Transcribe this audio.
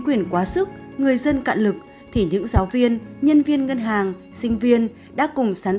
quyền quá sức người dân cạn lực thì những giáo viên nhân viên ngân hàng sinh viên đã cùng sắn